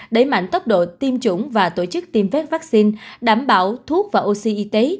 đẩy mạnh tốc độ tiêm chủng và tổ chức tiêm phép vaccine đảm bảo thuốc và oxy y tế